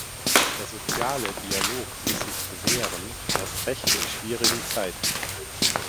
Der soziale Dialog muss sich bewähren, erst recht in schwierigen Zeiten.